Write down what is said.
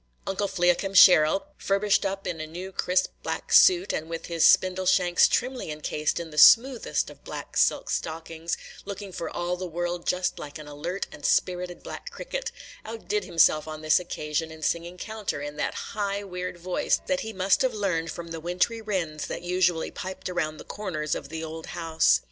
Uncle Fliakim Sheril, furbished up in a new crisp black suit, and with his spindle shanks trimly incased in the smoothest of black silk stockings, looking for all the world just like an alert and spirited black cricket, outdid himself on this occasion in singing counter, in that high, weird voice that he must have learned from the wintry winds that usually piped around the corners of the old house.